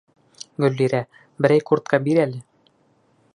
Гөллирә, берәй куртка бир әле.